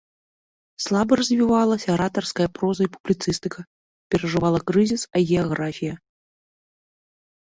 Слаба развіваліся аратарская проза і публіцыстыка, перажывала крызіс агіяграфія.